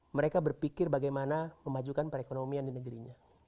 mereka berpikir bagaimana memajukan perekonomian di negerinya